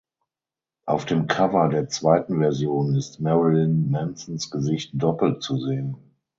Auf dem Cover der zweiten Version ist Marilyn Mansons Gesicht doppelt zu sehen.